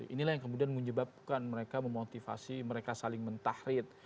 inilah yang kemudian menyebabkan mereka memotivasi mereka saling mentahrit